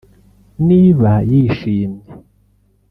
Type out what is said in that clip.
niba yishyimye